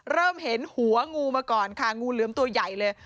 เริ่มเห็นหัวงูมาก่อนค่ะงูเหลือมตัวใหญ่เลย